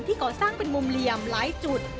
ก่อสร้างเป็นมุมเหลี่ยมหลายจุด